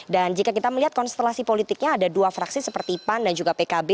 dan jika kita melihat konstelasi politiknya ada dua fraksi seperti pan dan juga pkb